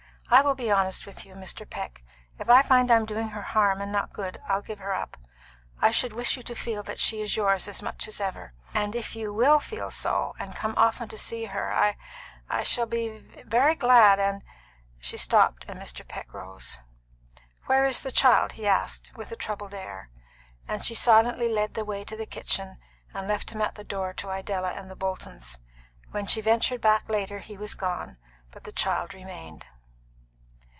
I will be honest with you, Mr. Peck. If I find I'm doing her harm and not good, I'll give her up. I should wish you to feel that she is yours as much as ever, and if you will feel so, and come often to see her I I shall be very glad, and " she stopped, and Mr. Peck rose. "Where is the child?" he asked, with a troubled air; and she silently led the way to the kitchen, and left him at the door to Idella and the Boltons. When she ventured back later he was gone, but the child remained.